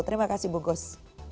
terima kasih bungkus